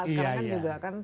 sekarang kan juga kan